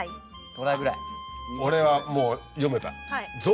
俺はもう読めた。